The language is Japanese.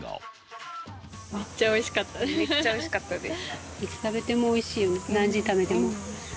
めっちゃ美味しかったです。